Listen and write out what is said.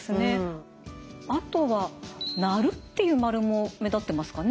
あとは「鳴る」っていう円も目立ってますかね？